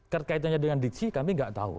terkaitannya dengan ditsi kami nggak tahu